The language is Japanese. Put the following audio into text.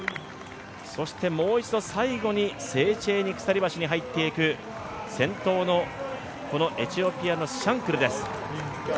もう一度最後にセーチェーニ鎖橋に入っていく、先頭の、このエチオピアのシャンクルです。